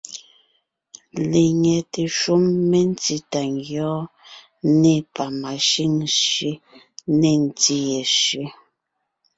Lenyɛte shúm mentí tà ngyɔ́ɔn, nê pamashʉ́ŋ sẅé, nê ntí ye sẅé,